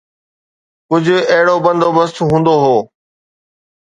ڪجهه اهڙو بندوبست هوندو هو.